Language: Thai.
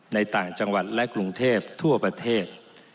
ต่างจังหวัดและกรุงเทพทั่วประเทศ